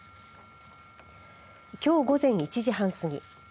きょう午前１時半過ぎ